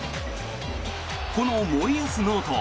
この森保ノート